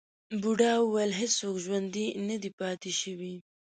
بوډا وویل هیڅوک ژوندی نه دی پاتې شوی.